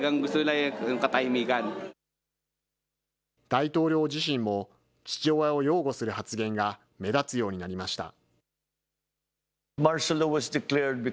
大統領自身も、父親を擁護する発言が目立つようになりました。